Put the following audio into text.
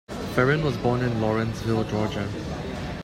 Ferrin was born in Lawrenceville, Georgia.